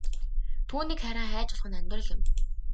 Түүнийг харин хайж олох нь амьдрал юм.